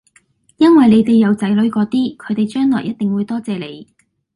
因為你哋有仔女嗰啲，佢哋將來一定會多謝你